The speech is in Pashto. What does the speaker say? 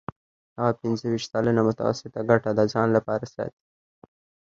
هغه پنځه ویشت سلنه متوسطه ګټه د ځان لپاره ساتي